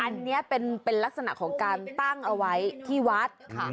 อันนี้เป็นลักษณะของการตั้งเอาไว้ที่วัดค่ะ